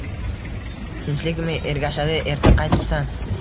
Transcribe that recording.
Tinchlikmi, Ergashali, erta qaytibsan?